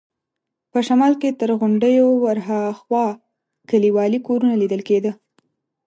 په شمال کې تر غونډیو ورهاخوا کلیوالي کورونه لیدل کېده.